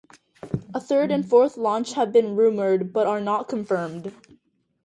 A third and fourth launch have been rumored, but are not confirmed.